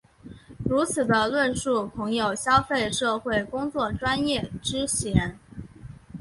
如此的论述恐有消费社会工作专业之嫌。